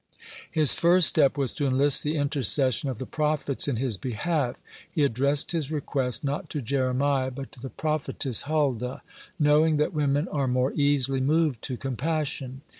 (116) His first step was to enlist the intercession of the prophets in his behalf. He addressed his request, not to Jeremiah, but to the prophetess Huldah, knowing that women are more easily moved to compassion.